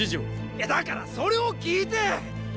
いやだからそれを聞いてっ！